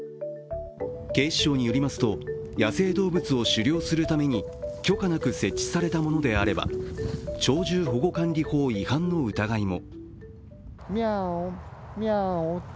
警視庁によりますと野生動物を狩猟するために許可なく設置されたものであれば鳥獣保護管理法違反の疑いも。